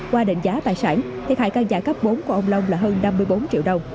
qua định giá tài sản thiệt hại căn nhà cấp bốn của ông long là hơn năm mươi bốn triệu đồng